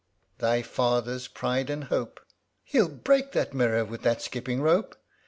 Thy father's pride and hope ! (Hell break the mirror with that skipping rope !)